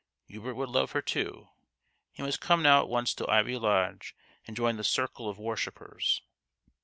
Hubert would love her too. He must come now at once to Ivy Lodge and join the circle of wor shippers.